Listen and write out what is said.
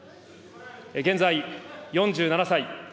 現在４７歳。